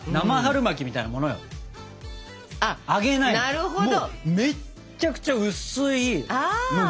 なるほど。